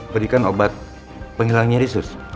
berikan obat penghilangnya rizus